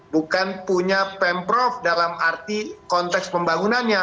bukan punya pemprov dalam arti konteks pembangunannya